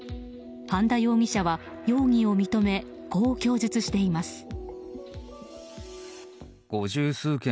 半田容疑者は容疑を認め、こう供述しています。